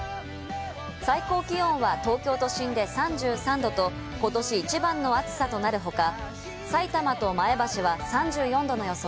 最高気温は東京都心で３３℃と、ことし一番の暑さとなる他、埼玉と前橋は３４度の予想